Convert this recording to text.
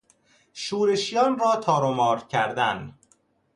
شورشیان را تار و مار کردن